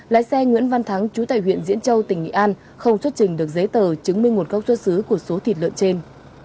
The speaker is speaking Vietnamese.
lái xe nguyễn văn thắng chú tại huyện diễn châu tỉnh nghệ an không xuất trình được giấy tờ chứng minh nguồn gốc xuất xứ của số thịt lợn trên